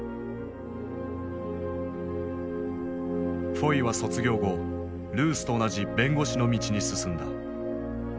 フォイは卒業後ルースと同じ弁護士の道に進んだ。